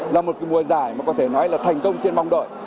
là một cái mùa giải mà có thể nói là thành công trên mong đội